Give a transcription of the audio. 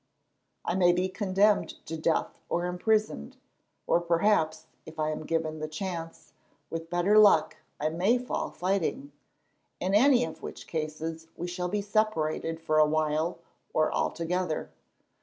I may be condemned to death or imprisoned, or perhaps, if I am given the chance, with better luck I may fall fighting, in any of which cases we shall be separated for a while, or altogether.